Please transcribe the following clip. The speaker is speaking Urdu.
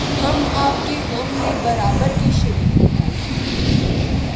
ہم آپ کے غم میں برابر کے شریک ہیں بھائی